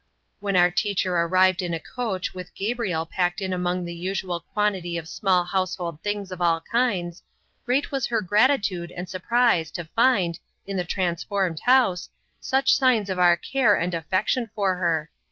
When our teacher arrived in a coach with Gabriel packed in among the usual quantity of small household things of all kinds, great was her gratitude and surprise to find, in the transformed house, such signs of our care and affection for her.